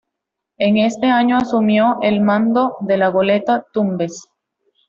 En este año asumió el mando de la goleta "Tumbes".